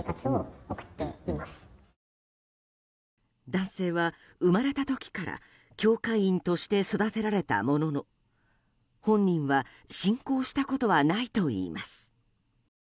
男性は生まれた時から教会員として育てられたものの本人は信仰したことはないと言います。